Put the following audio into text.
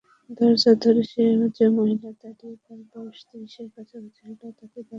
দরজা ধরে যে-মহিলা দাঁড়িয়ে তার বয়স ত্রিশের কাছাকাছি হলেও তাকে দেখাচ্ছে বালিকার মতো।